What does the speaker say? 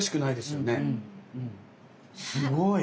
すごい！